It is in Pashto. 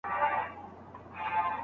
مثبت خلګ مو هڅوي چي پرمخ لاړ سئ.